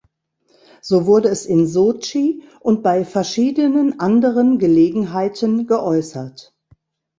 So wurde es in Sotschi und bei verschiedenen anderen Gelegenheiten geäußert.